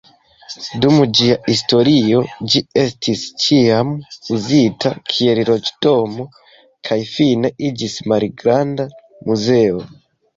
Dum ĝia historio ĝi estis ĉiam uzita kiel loĝdomo kaj fine iĝis malgranda muzeo.